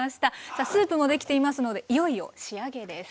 さあスープもできていますのでいよいよ仕上げです。